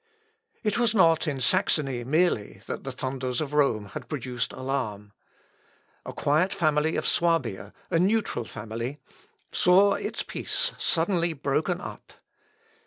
494.) It was not in Saxony merely that the thunders of Rome had produced alarm. A quiet family of Swabia, a neutral family, saw its peace suddenly broken up.